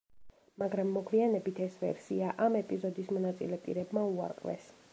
მაგრამ, მოგვიანებით ეს ვერსია ამ ეპიზოდის მონაწილე პირებმა უარყვეს.